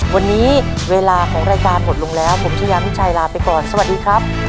วันนี้เวลาของรายการหมดลงแล้วผมชายามิชัยลาไปก่อนสวัสดีครับ